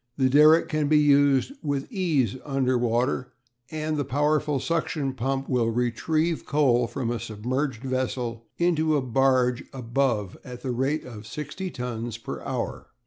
The derrick can be used with ease under water, and the powerful suction pump will "retrieve" coal from a submerged vessel into a barge above at the rate of sixty tons per hour.